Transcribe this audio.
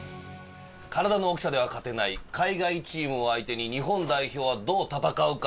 体の大きさでは勝てない海外チームを相手に日本代表はどう戦うか？